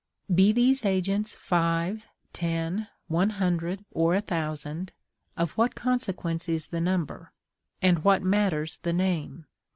Be these agents five, ten, one hundred, or a thousand, of what consequence is the number; and what matters the name?